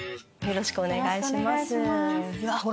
よろしくお願いします。